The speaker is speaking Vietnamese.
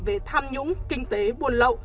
về tham nhũng kinh tế buồn lậu